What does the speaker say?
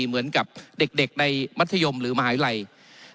เหมือนกับเด็กในมัธยมหรือมหาวิทยาลัย